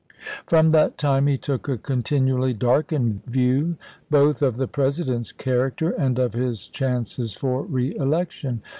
From that time he took a continually darkened view both of the President's character and of his chances for reelection.